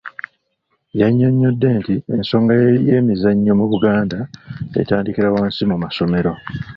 Yannyonnyodde nti ensonga ey'emizannyo mu Buganda, etandikira wansi mu masomero.